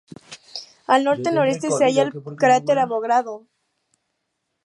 Al norte-noreste se halla el cráter Avogadro.